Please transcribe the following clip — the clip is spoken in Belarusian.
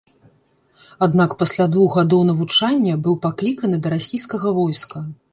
Аднак пасля двух гадоў навучання быў пакліканы да расійскага войска.